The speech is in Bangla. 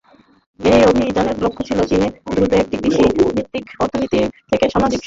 এই অভিযানের লক্ষ্য ছিল চীনকে দ্রুত একটি কৃষিভিত্তিক অর্থনীতি থেকে সমাজতান্ত্রিক সমাজব্যবস্থায় রূপান্তরিত করা।